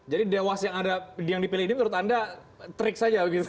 jadi dewas yang dipilih ini menurut anda trik saja begitu